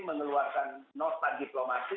mengeluarkan nota diplomasi